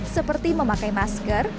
seperti memakai masker